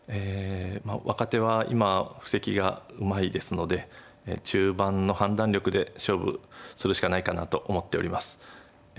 若手は今布石がうまいですので中盤の判断力で勝負するしかないかなと思っております。